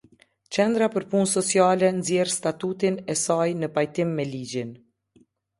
Qendra për Punë Sociale nxjerrë statutin e saj në pajtim me ligjin.